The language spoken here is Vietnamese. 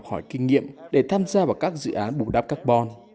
các bạn có nhiều kinh nghiệm để tham gia vào các dự án bù đắp carbon